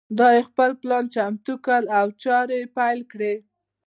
دای خپل پلان چمتو کړ او چارې پیل کړې.